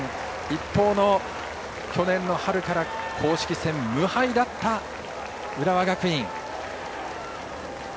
一方の去年の春から公式戦無敗だった浦和学院。